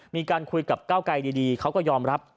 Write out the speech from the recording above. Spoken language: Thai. มีการคุยกับก้าวไกลดีเขาก็ยอมรับ